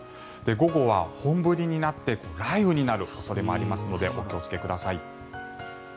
午後は本降りになって雷雨になる恐れもありますのでお気をつけください。